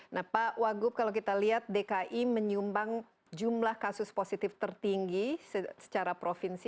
nah pak wagub kalau kita lihat dki menyumbang jumlah kasus positif tertinggi secara provinsi